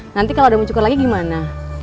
nanti kalau ada mencukur lagi gimana